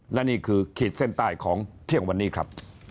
และนี่คือขีดเส้นใต้ของเที่ยงวันนี้ครับ